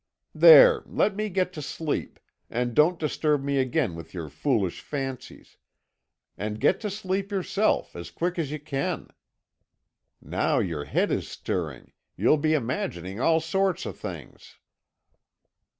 There! let me get to sleep, and don't disturb me again with your foolish fancies; and get to sleep yourself as quick as you can. Now your head is stirring, you'll be imagining all sorts of things.'